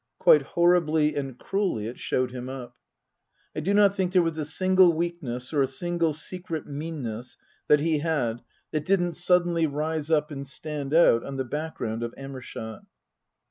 Quite horribly and cruelly it showed him up. I do not think there was a single weakness or a single secret meanness that he had that didn't suddenly rise up and stand out on the background of Amershott.